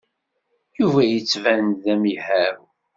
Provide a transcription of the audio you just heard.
Yuba yettban-d d amihaw.